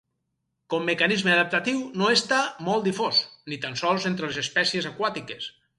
Com mecanisme adaptatiu no està molt difós, ni tan sols entre les espècies aquàtiques.